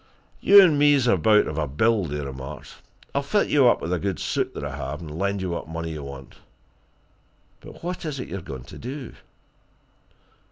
"You and me's about of a build," he remarked. "I'll fit you up with a good suit that I have, and lend you what money you want. But what is it you're going to do?"